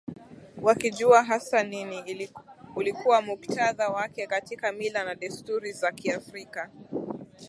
wakijua hasa nini ulikuwa muktadha wake katika mila na desturi za Kiafrika